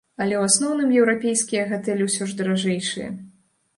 Але ў асноўным еўрапейскія гатэлі ўсё ж даражэйшыя.